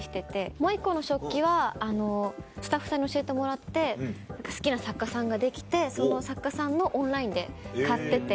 もう１個の食器はスタッフさんに教えてもらって好きな作家さんができてその作家さんのオンラインで買ってて。